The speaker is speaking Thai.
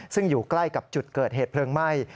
ซึ่งอยู่ใกล้กับจุดเกิดเหตุเพลิงไหม้